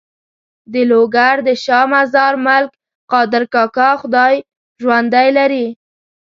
د لوګر د شا مزار ملک قادر کاکا خدای ژوندی لري.